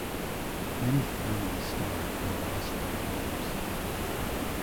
Many families starved or lost their homes.